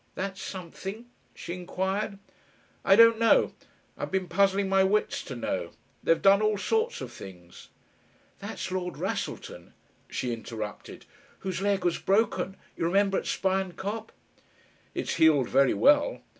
"That something?" she inquired. "I don't know. I've been puzzling my wits to know. They've done all sorts of things " "That's Lord Wrassleton," she interrupted, "whose leg was broken you remember? at Spion Kop." "It's healed very well.